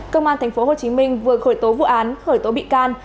công an tp hcm vừa khởi tố vụ án khởi tố bị can